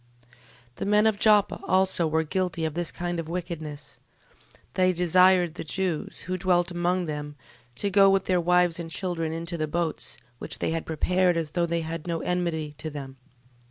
12:3. The men of Joppe also were guilty of this kind of wickedness: they desired the Jews, who dwelt among them, to go with their wives and children into the boats, which they had prepared, as though they had no enmity to them.